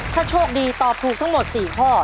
ถ้าโชคดีตอบถูกทั้งหมด๔ข้อ